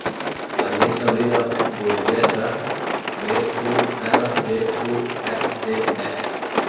Em dic Sabrina Burguete: be, u, erra, ge, u, e, te, e.